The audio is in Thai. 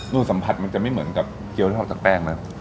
นู้นสัมผัสมัยจะไม่เหมือนกับเกี๊ยวทอดสักแป้งนะ